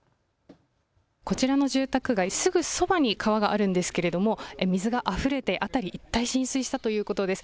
こちらの住宅街、すぐそばに川があるんですけれども水があふれて、辺り一帯浸水したということです。